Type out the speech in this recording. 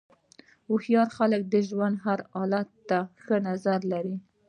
هوښیار خلک د ژوند هر حالت ته ښه نظر لري.